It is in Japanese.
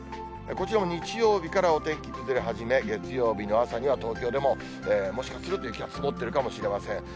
こちらも日曜日からお天気崩れ始め、月曜日の朝には東京でももしかすると雪が積もっているかもしれません。